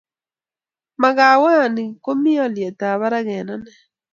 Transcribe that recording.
Makaweni komi olyetab barak eng ane